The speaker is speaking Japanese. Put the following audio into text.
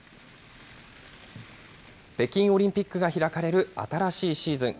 北京オリンピックが開かれる新しいシーズン。